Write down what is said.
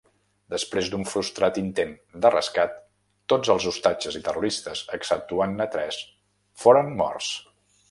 Després d'un frustrat intent de rescat, tots els ostatges i terroristes, exceptuant-ne tres, foren morts.